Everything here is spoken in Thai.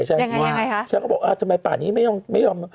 ยังไงคะช่างก็บอกทำไมปากนี้ไม่ยอม